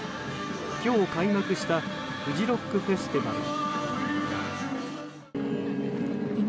今日、開幕したフジロックフェスティバル。